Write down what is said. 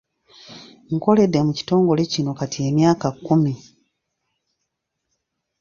Nkoledde mu kitongole kino kati emyaka kkumi.